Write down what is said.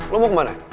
lo mau kemana